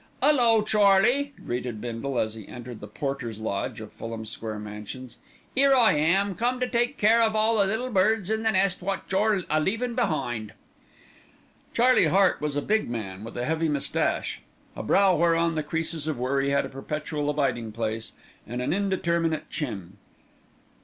"'Ullo, Charlie!" greeted Bindle, as he entered the porter's lodge of Fulham Square Mansions. "'Ere I am, come to take care of all the little birds in the nest wot you're a leavin' behind." Charlie Hart was a big man with a heavy moustache, a brow whereon the creases of worry had a perpetual abiding place, and an indeterminate chin.